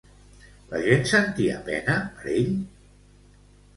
La gent sentia pena per ell?